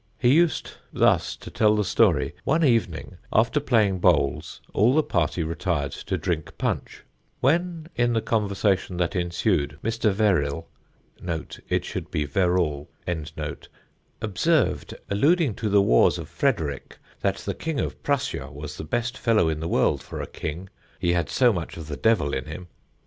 He used thus to tell the story. One evening after playing bowls, all the party retired to drink punch; when, in the conversation that ensued, Mr. Verril (it should be Verrall) "observed, alluding to the wars of Frederick, that the King of Prussia was the best fellow in the world for a king, he had so much of the devil in him.